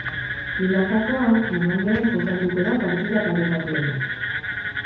Binakakoan, igandean jokatuko da partida parekatuena.